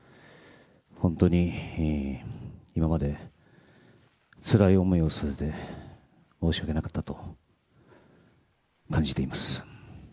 本当に今までつらい思いをさせて申し訳なかったと感じています。